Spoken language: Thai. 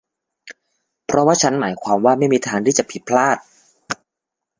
เพราะว่าฉันหมายความว่าไม่มีทางที่จะผิดพลาด